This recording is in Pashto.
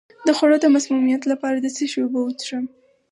د خوړو د مسمومیت لپاره د څه شي اوبه وڅښم؟